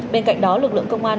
bên cạnh đó lực lượng công an